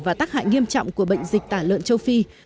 và tác hại nghiêm trọng của bệnh dịch tả lợn châu phi